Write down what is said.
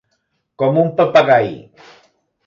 Com un papagai.